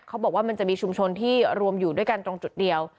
เขาบอกว่ามันจะมีชุมชนที่รวมอยู่ด้วยกันตรงจุดเดียว